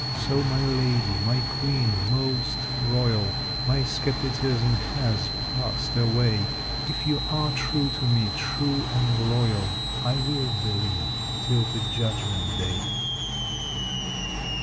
So my lady, my queen most royal, My skepticism has passed away; If you are true to me, true and loyal, I will believe till the Judgment day.